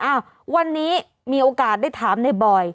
อ้าววันนี้มีโอกาสได้ถามในบอย